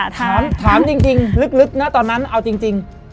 ถามจริงลึกนะตอนนั้นเอาจริง